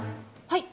はい。